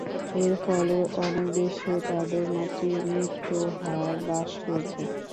এর ফলে অনেক দেশে তাদের মাতৃ মৃত্যুহার হ্রাস পেয়েছে।